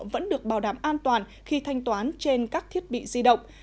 vẫn được bảo đảm an toàn khi thanh toán trên các thiết bị di động